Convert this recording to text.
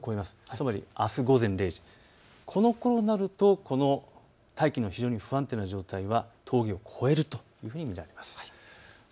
つまりあす午前０時、このころになると大気の非常に不安定な状態は峠を越えるというふうに見られます。